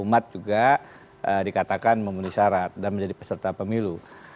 umat juga dikatakan memenuhi syarat dan menjadi peserta pemilu